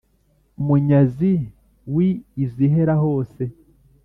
munyazi wi izihera hose